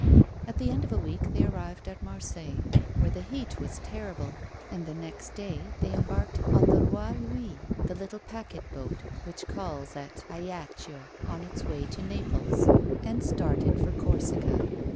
At the end of a week they arrived at J^farseilles, where the heat was terrible, and the next day the v embarked on the Roi Louis, the little packet boat which calls at Ajaccio on its way to Xaples, and started for Corsica.